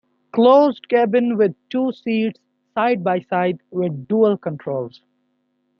Closed cabin with two seats side-by-side, with dual controls.